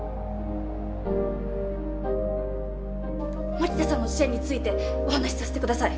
槙田さんの事件についてお話しさせてください。